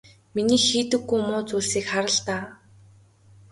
Миний хийдэггүй муу зүйлсийг хар л даа.